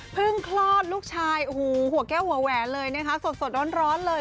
พึ่งคลอดลูกชายหัวแก้วหัวแหวนเลยสดร้อนเลย